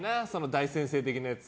「大先生」的なやつ。